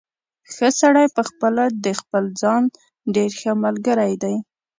ښه سړی پخپله د خپل ځان ډېر ښه ملګری دی.